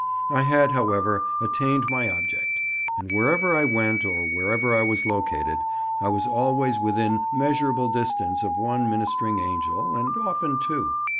I had, however, attained my object; and wherever I went, or wherever I was located, I was always within "measurable distance" of one ministering angel, and often two.